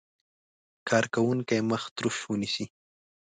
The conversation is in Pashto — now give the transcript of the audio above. کارکوونکی مخ تروش ونیسي.